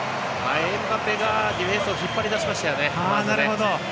エムバペがディフェンスを引っ張り出しましたよね、まず。